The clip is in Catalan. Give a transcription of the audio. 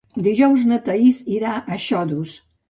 Dijous na Thaís irà a Xodos.